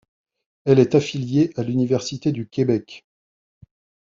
Elle est affiliée à l'Université du Québec.